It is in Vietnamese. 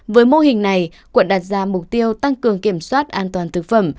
với mô hình này quận đặt ra mục tiêu tăng cường kiểm soát an toàn thực phẩm